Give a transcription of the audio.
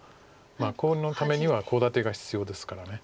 コウのためにはコウ立てが必要ですから。